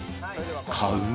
買う？